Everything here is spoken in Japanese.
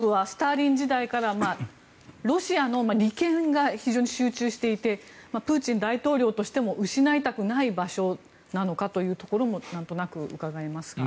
見てみますとやはり、若新さん東部はスターリン時代からロシアの利権が非常に集中していてプーチン大統領としても失いたくない場所なのかというところもなんとなくうかがえますが。